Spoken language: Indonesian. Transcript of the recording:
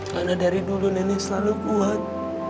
karena dari dulu nenek selalu kuat